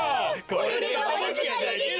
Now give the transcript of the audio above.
これでババぬきができる！